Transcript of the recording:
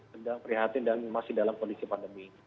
sedang prihatin dan masih dalam kondisi pandemi